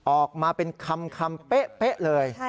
ออกมาเป็นคำเป๊ะเลย